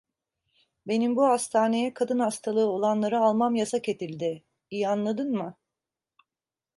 Benim bu hastaneye kadın hastalığı olanları almam yasak edildi. İyi anladın mı?